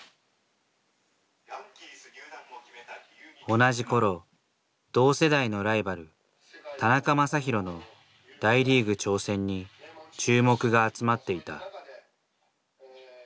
同じ頃同世代のライバル田中将大の大リーグ挑戦に注目が集まっていた。